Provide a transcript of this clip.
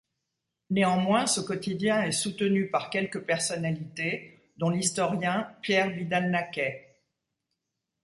Néanmoins ce quotidien est soutenu par quelques personnalités dont l'historien Pierre Vidal-Naquet.